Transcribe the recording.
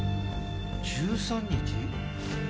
１３日？